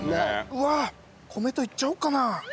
うわっ米といっちゃおうかな。